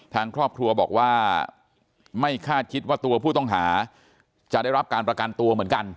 ทางครอบครัวบอกว่าไม่คาดคิดว่าตัวผู้ต้องหาจะได้รับการประกันตัวเหมือนกัน